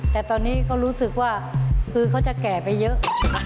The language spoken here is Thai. แต่ตอนนี้ก็รู้สึกว่าคือเขาจะแก่ไปเยอะ